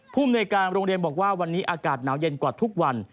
ภูมิในการโรงเรียนบอกว่าวันนี้อากาศหนาวเย็นกว่าทุกวัน